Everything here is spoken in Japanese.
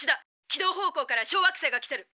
軌道方向から小惑星が来てる」。